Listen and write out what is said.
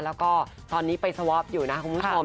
แล้วก็ตอนนี้ไปสวอปอยู่นะคุณผู้ชม